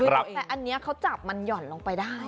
แต่อันนี้เขาจับมันหย่อนลงไปได้